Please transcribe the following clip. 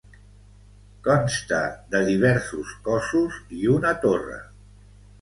Consta de diversos cossos i una torre.